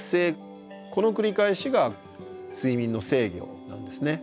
この繰り返しが睡眠の制御なんですね。